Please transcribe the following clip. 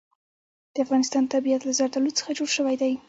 د افغانستان طبیعت له زردالو څخه جوړ شوی دی.